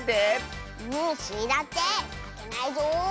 スイだってまけないぞ！